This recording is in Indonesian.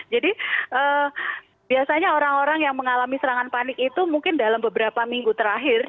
jadi biasanya orang orang yang mengalami serangan panik itu mungkin dalam beberapa minggu terakhir